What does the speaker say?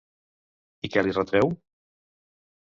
I què li retreu?